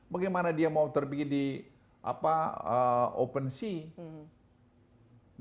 bagaimana dia mau terbikin di apa open sea